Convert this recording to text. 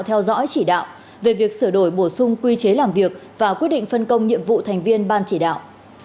theo dõi chỉ đạo về việc sửa đổi bổ sung quy chế làm việc và quyết định phân công nhiệm vụ thành viên ban chỉ đạo